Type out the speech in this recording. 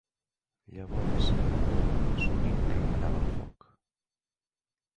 Llavors en Paul sovint remenava el foc.